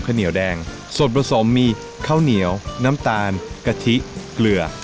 เหนียวแดงส่วนผสมมีข้าวเหนียวน้ำตาลกะทิเกลือ